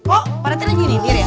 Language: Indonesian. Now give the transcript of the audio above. oh parete udah nyindir ya